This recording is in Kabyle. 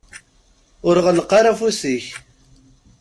Ur ɣelleq ara afus-ik.